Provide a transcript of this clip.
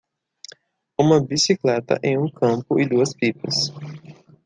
Uma bicicleta em um campo e duas pipas